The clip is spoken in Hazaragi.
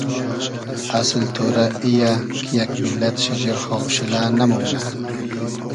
اسل تۉرۂ ای یۂ کی یئگ میللئد شیجیر خاوشیلۂ نئمومنۂ